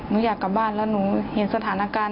นิ่งอยากกบ้านแล้วหนูเห็นสถานกัน